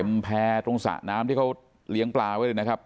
เป็นแพร่ตรงสระน้ำที่เขาเลี้ยงปลาไว้เลยนะครับ